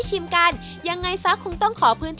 มีวันหยุดเอ่ออาทิตย์ที่สองของเดือนค่ะ